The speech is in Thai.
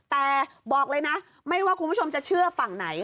แต่บอกเลยนะไม่ว่าคุณผู้ชมจะเชื่อฝั่งไหน